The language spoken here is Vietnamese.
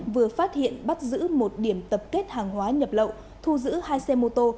vừa phát hiện bắt giữ một điểm tập kết hàng hóa nhập lậu thu giữ hai xe mô tô